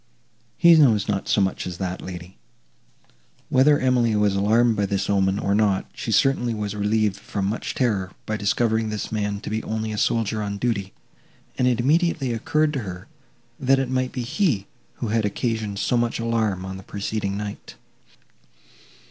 "He knows not so much as that, lady." Whether Emily was alarmed by this omen, or not, she certainly was relieved from much terror by discovering this man to be only a soldier on duty, and it immediately occurred to her, that it might be he, who had occasioned so much alarm on the preceding night.